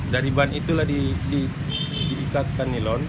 dari ban itulah diikatkan nilon